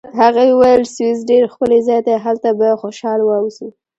هغې وویل: سویس ډېر ښکلی ځای دی، هلته به خوشحاله واوسو.